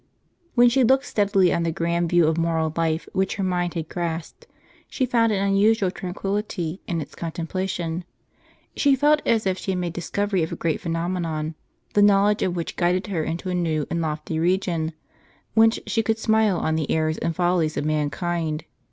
When she looked steadily on the gTand view of moral life which her mind had grasped, she found an imusual tranquil hty in its contemplation ; she felt as if she had made discovery of a great phenomenon, the knowledge of which guided her into a new and lofty region, whence she could smile on the errors and foUies of mankind.